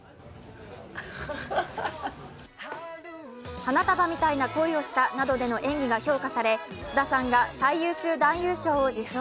「花束みたいな恋をした」の映画が評価され菅田さんが最優秀男優賞を受賞。